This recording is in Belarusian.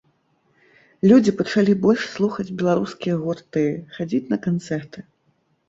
Людзі пачалі больш слухаць беларускія гурты, хадзіць на канцэрты.